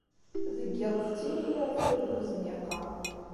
Deg yiḍ, tettili lɛafya deg uzniq-a.